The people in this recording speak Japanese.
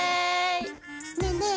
ねえねえ